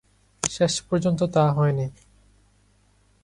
শেষ পর্যন্ত তা হয়নি।